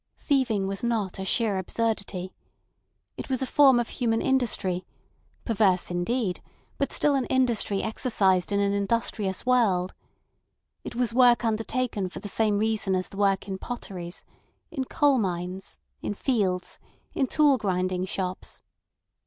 Thieving was not a sheer absurdity. It was a form of human industry, perverse indeed, but still an industry exercised in an industrious world; it was work undertaken for the same reason as the work in potteries, in coal mines, in fields, in tool grinding shops.